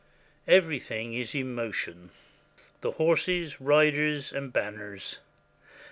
Everything is in motion — horses, riders, and banners.